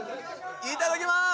いただきます！